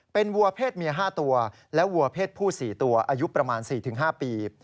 เป็นวัวเพศเมีย๕ตัวและวัวเพศผู้๔ตัวอายุประมาณ๔๕ปี